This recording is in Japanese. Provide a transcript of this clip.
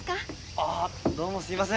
ああどうもすいません。